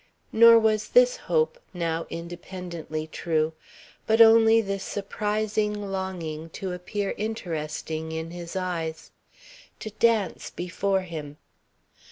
Nor was this hope now independently true, but only this surprising longing to appear interesting in his eyes. To dance before him.